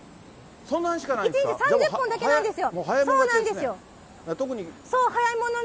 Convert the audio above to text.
１日３０本だけなんですよ。